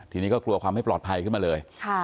ทีนี้ก็กลัวความไม่ปลอดภัยขึ้นมาเลย